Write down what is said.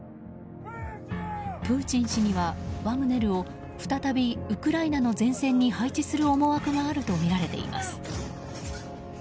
プーチン氏にはワグネルを再びウクライナの前線に配置する思惑があるとみられています。